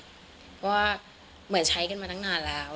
เพราะว่าเหมือนใช้กันมาตั้งนานแล้ว